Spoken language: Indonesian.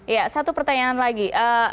ya satu pertanyaan lagi